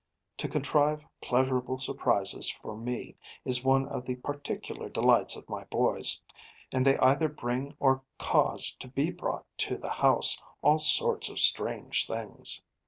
To contrive pleasurable surprises for me is one of the particular delights of my boys; and they either bring or cause to be brought to the house all sorts of strange things.